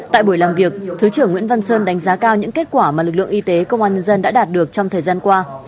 tại buổi làm việc thứ trưởng nguyễn văn sơn đánh giá cao những kết quả mà lực lượng y tế công an nhân dân đã đạt được trong thời gian qua